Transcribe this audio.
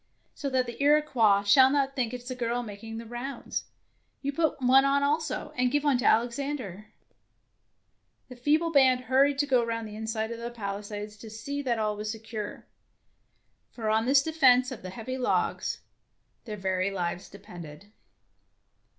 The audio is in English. " So that the Iroquois shall not think that it is a girl making the rounds. You put one on also, and give one to Alex ander.^^ The feeble band hurried to go around the inside of the palisades to see that 106 DEFENCE OF CASTLE DANGEBOUS all was secure, for on this defence of heavy logs their very lives depended.